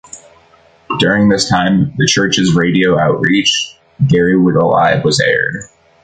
During this time the church's radio outreach, "Garywood Alive," was aired.